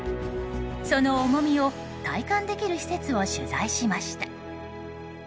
その重みを体感できる施設を取材しました。